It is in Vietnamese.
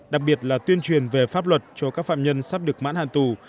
đặc biệt là tuyên truyền về pháp luật cho các phạm nhân sắp được mãn hạn tù